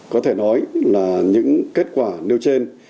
có thể nói là những kết quả nêu trên